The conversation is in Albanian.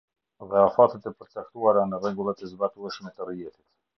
Dhe afatet e përcaktuara në rregullat e zbatueshme të rrjetit.